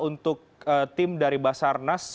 untuk tim dari basarnas